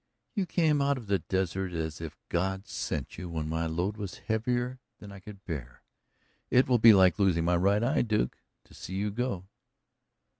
"You came out of the desert, as if God sent you, when my load was heavier than I could bear. It will be like losing my right eye, Duke, to see you go."